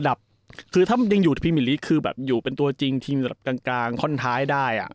ถ้ามันจริงอยู่ด้วยพี่มิลิคอยู่กลางค่อนท้ายได้